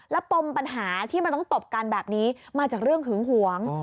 แล้วปมปัญหาที่มันต้องตบกันแบบนี้มาจากเรื่องหึงหวง